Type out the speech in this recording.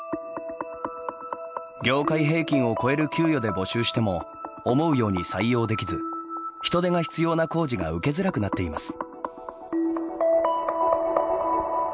業界平均を超える給与で募集しても思うように採用できず人手が必要な工事が受けづらくなっています。